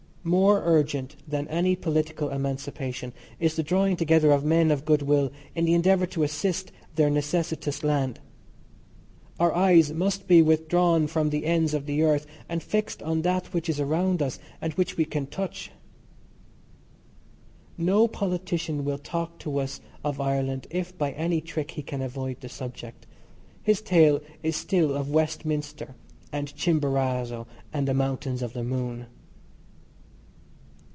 More urgent than any political emancipation is the drawing together of men of good will in the endeavour to assist their necessitous land. Our eyes must be withdrawn from the ends of the earth and fixed on that which is around us and which we can touch. No politician will talk to us of Ireland if by any trick he can avoid the subject. His tale is still of Westminster and Chimborazo and the Mountains of the Moon.